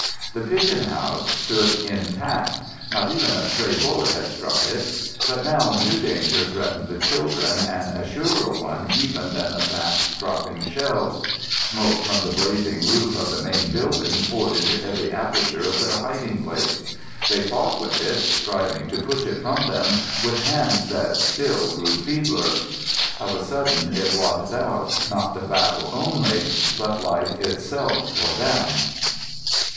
The pigeon house stood intact. Not even a stray bullet had struck it. But now a new danger threatened the children and a surer one even than the fast dropping shells. Smoke from the blazing roof of the main building poured into every aperture of their hiding place. They fought with it, striving to push it from them with hands that still grew feebler. Of a sudden it blotted out, not the battle only, but life itself for them.